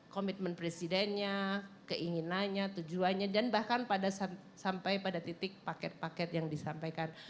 komitmen presidennya keinginannya tujuannya dan bahkan sampai pada titik paket paket yang disampaikan